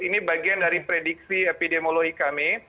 ini bagian dari prediksi epidemiologi kami